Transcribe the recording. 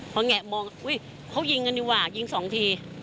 พอแงะมองอุ๊ยเขายิงกันดีกว่ายิงสองที